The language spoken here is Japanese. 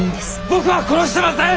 僕は殺してません！